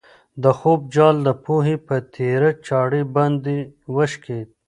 د خوب جال د پوهې په تېره چاړه باندې وشکېد.